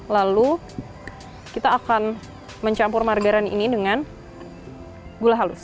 lalu kita akan mencampur margarin ini dengan gula halus